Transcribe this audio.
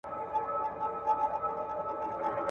ايا سياست اوس هم یوه وروسته پاتې رشته ده؟